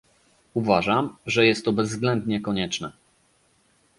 Uważam, że jest to bezwzględnie konieczne